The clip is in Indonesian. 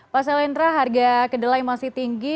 pak selendra harga kedelai masih tinggi